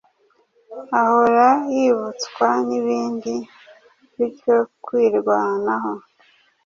ahora yibutswanibindi bityo kwirwanaho